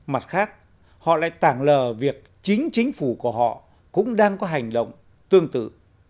mặt khác họ lại tảng lờ việc chính chính phủ của họ cũng đang có hành động tương tự